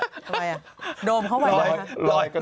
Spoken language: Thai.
ทำไมอ่ะโดมเข้าไปแล้วหรือ